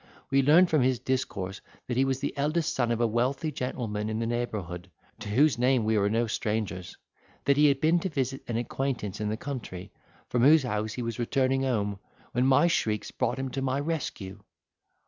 We learned from his discourse that he was the eldest son of a wealthy gentleman in the neighbourhood, to whose name we were no strangers—that he had been to visit an acquaintance in the country, from whose house he was returning home, when my shrieks brought him to my rescue."